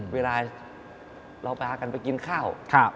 เวลาเราพากันไปกินข้าว